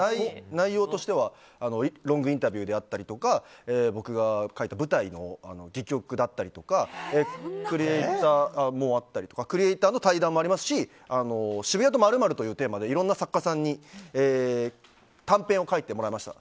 内容としてはロングインタビューだったりとか僕が書いた舞台の戯曲だったりクリエーターの対談もありますし渋谷と○○というテーマでいろんな作家さんに短編を書いてもらいました。